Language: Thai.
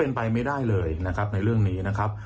เป็นไปไม่ได้เลยนะครับในเรื่องนี้นะครับ